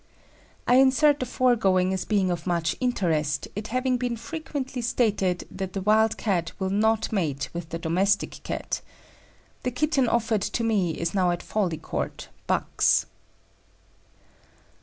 I insert the foregoing as being of much interest, it having been frequently stated that the wild Cat will not mate with the domestic Cat. The kitten offered to me is now at Fawley Court, Bucks.